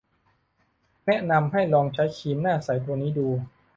แนะนำให้ลองใช้ครีมหน้าใสตัวนี้ดู